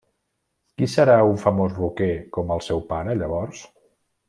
Qui serà un famós rocker com el seu pare, llavors?